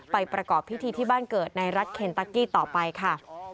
ประกอบพิธีที่บ้านเกิดในรัฐเคนตะกี้ต่อไปค่ะ